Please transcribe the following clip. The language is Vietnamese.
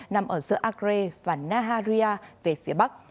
nằm ở giữa akre và naharia về phía bắc